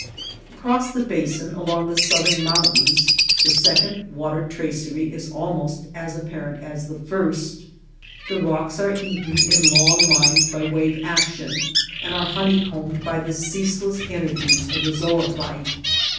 Across the basin, along the southern mountains, the second water tracery is almost as apparent as the first. The rocks are eaten in long lines by wave action, and are honeycombed by the ceaseless energies of the zoophite.